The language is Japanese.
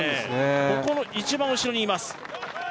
ここの一番後ろにいます